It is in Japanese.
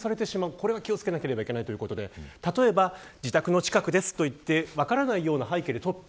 これは気を付けなければいけないということで例えば自宅の近くですといって分からないような背景で撮った。